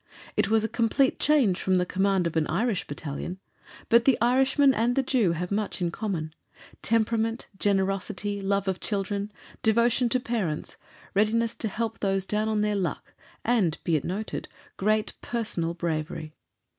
It was a complete change from the command of an Irish Battalion, but the Irishman and the Jew have much in common temperament, generosity, love of children, devotion to parents, readiness to help those down on their luck, and, be it noted, great personal bravery.